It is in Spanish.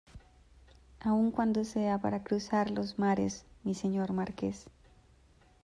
aun cuando sea para cruzar los mares, mi Señor Marqués.